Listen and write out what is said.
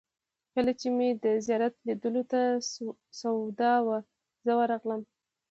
کله چې مې د زیارت لیدلو ته سودا وه، زه ورغلم.